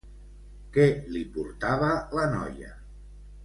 Què li portava la noia?